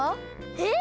えっ⁉